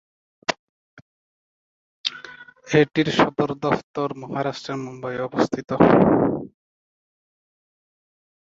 এটির সদর দফতর মহারাষ্ট্রের মুম্বাইয়ে অবস্থিত।